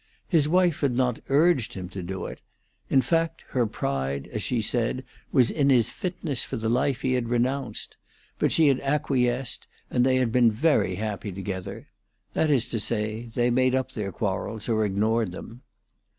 His wife had not urged him to do it; in fact, her pride, as she said, was in his fitness for the life he had renounced; but she had acquiesced, and they had been very happy together. That is to say, they made up their quarrels or ignored them.